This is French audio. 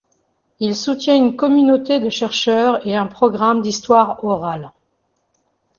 Il soutient une communauté de chercheurs et un programme d'histoire orale.